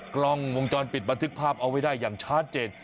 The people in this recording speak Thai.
กล้องวงจรปิดบันทึกภาพเอาไว้ได้อย่างชัดเจน